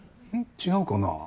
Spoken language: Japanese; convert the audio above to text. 違うかな？